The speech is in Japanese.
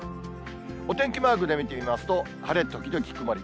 お天気マークで見てみますと、晴れ時々曇り。